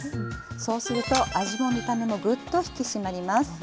そうすると味も見た目もグッと引き締まります。